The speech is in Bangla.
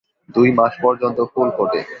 দুই মাস পর্যন্ত ফুল ফোটে।